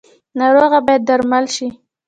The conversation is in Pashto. ناروغه باید درمل شي